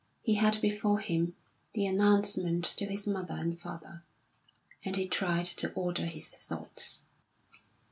He had before him the announcement to his mother and father; and he tried to order his thoughts.